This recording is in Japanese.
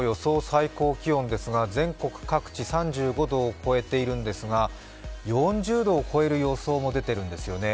最高気温ですが、全国各地３５度を超えているんですが、４０度を超える予想も出ているんですよね。